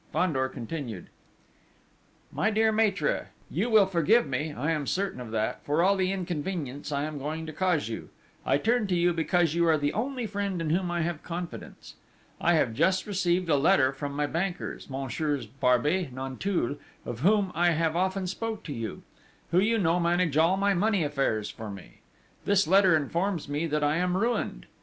Fandor continued: "My dear Maître, _You will forgive me, I am certain of that, for all the inconvenience I am going to cause you; I turn to you because you are the only friend in whom I have confidence._ _I have just received a letter from my bankers, Messieurs Barbey Nanteuil, of whom I have often spoken to you, who you know manage all my money affairs for me._ _This letter informs me that I am ruined.